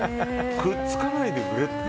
くっつかないでくれって。